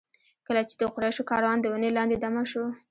کله چې د قریشو کاروان د ونې لاندې دمه شو.